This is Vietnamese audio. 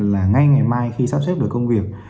là ngay ngày mai khi sắp xếp được công việc